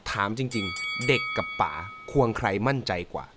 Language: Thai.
ถามจริงเด็กกับป่าควงใครมั่นใจกว่า